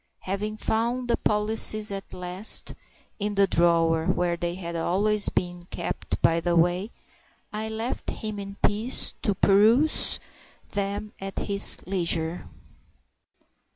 Having found the policies at last (in the drawer where they had always been kept, by the way), I left him in peace, to peruse them at his leisure.